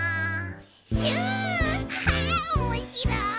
「シュおもしろい」